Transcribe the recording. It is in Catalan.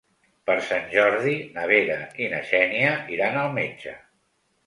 Per Sant Jordi na Vera i na Xènia iran al metge.